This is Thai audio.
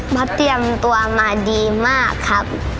เพราะเตรียมตัวมาดีมากครับ